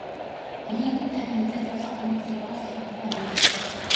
Тэгээд бид дахин хэзээ ч салахгүй, энэ насыг дуустал хамтдаа амьдарна.